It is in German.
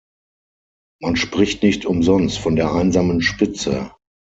Man spricht nicht umsonst von der einsamen Spitze.